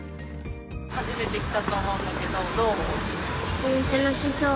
初めて来たと思うんだけど、楽しそう。